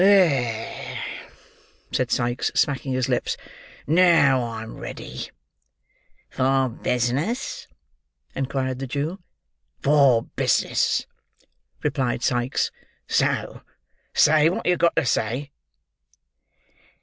"There," said Sikes, smacking his lips. "Now I'm ready." "For business?" inquired the Jew. "For business," replied Sikes; "so say what you've got to say."